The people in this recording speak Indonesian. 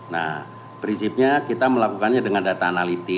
nah prinsipnya kita melakukannya dengan data analiti